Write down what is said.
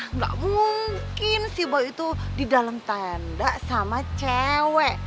em gak mungkin si boy itu di dalam tenda sama cewek